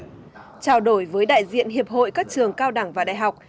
trao đổi với đại diện hiệp hội các trường cao đẳng và đại học